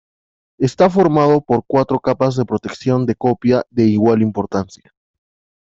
Está formado por cuatro capas de protección de copia de igual importancia.